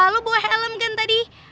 lo bawa helm kan tadi